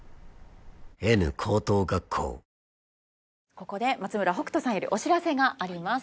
ここで松村北斗さんよりお知らせがあります